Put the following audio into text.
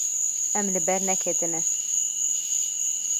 Em li ber neketine.